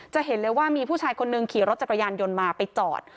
จะเห็นเลยว่ามีผู้ชายคนนึงขี่รถจักรยานยนต์มาไปจอด